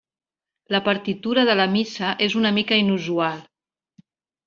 La partitura de la missa és una mica inusual.